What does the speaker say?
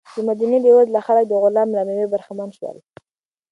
د مدینې بېوزله خلک د غلام له مېوې برخمن شول.